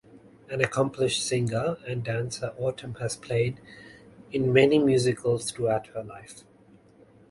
An accomplished singer and dancer, Autumn has played in many musicals throughout her life.